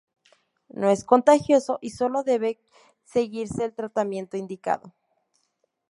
No es contagioso, y sólo debe seguirse el tratamiento indicado.